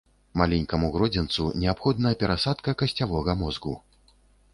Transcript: Маленькаму гродзенцу неабходна перасадка касцявога мозгу.